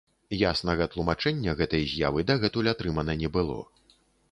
Яснага тлумачэння гэтай з'явы дагэтуль атрымана не было.